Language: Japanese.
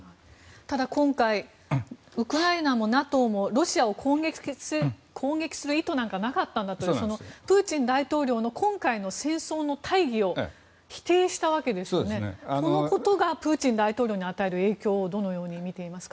ただ、今回ウクライナもＮＡＴＯもロシアを攻撃する意図なんかなかったんだというプーチン大統領の今回の戦争の大義を否定したわけですがこれがプーチン大統領に与える影響をどのように見ていますか。